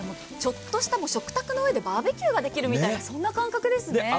ちょっとした食卓の上でバーベキューができるみたいな感覚ですね。